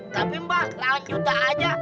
tapi mbak lanjut aja